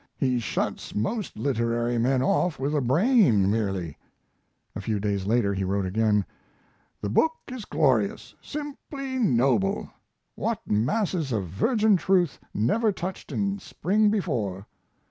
He shuts most literary men off with a brain, merely. A few days later he wrote again: The book is glorious simply noble. What masses of virgin truth never touched in print before!